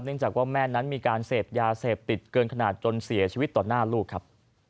จากว่าแม่นั้นมีการเสพยาเสพติดเกินขนาดจนเสียชีวิตต่อหน้าลูกครับ